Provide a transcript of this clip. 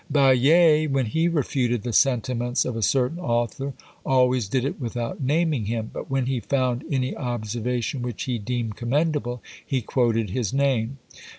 Baillet, when he refuted the sentiments of a certain author always did it without naming him; but when he found any observation which, he deemed commendable, he quoted his name.